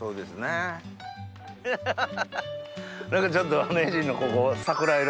何かちょっと。